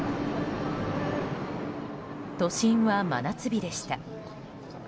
都心は真夏日でした。